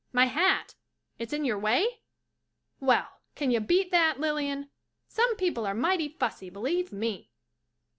My hat — it's in your way? Well, can you beat that, Lilian? Some people are mighty fussy, believe me.